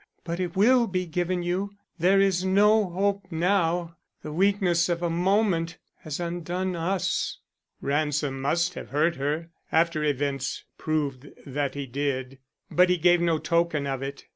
But it will be given you. There is no hope now. The weakness of a moment has undone us." Ransom must have heard her, after events proved that he did, but he gave no token of it.